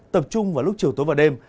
tập trung vào lúc chiều tối và đêm